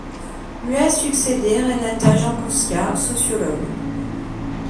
Lui a succédé Renata Jankowska, sociologue.